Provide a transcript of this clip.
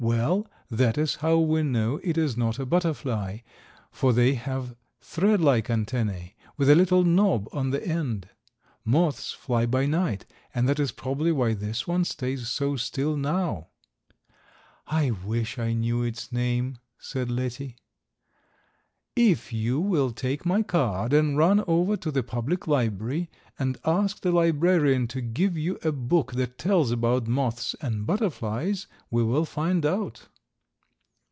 "Well, that is how we know it is not a butterfly, for they have thread like antennae, with a little knob on the end. Moths fly by night and that is probably why this one stays so still now." "I wish I knew its name," said Letty. "If you will take my card and run over to the public library and ask the librarian to give you a book that tells about moths and butterflies, we will find out."